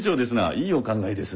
いいお考えです。